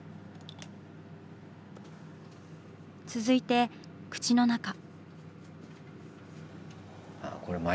続いて口の中。